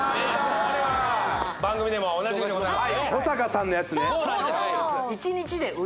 これは番組でもおなじみでございます